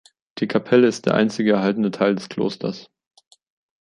Die Kapelle ist der einzige erhaltene Teil dieses Klosters.